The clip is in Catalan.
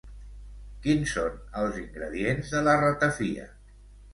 Quins són els ingredients de la ratafia?